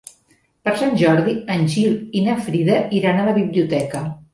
Per Sant Jordi en Gil i na Frida iran a la biblioteca.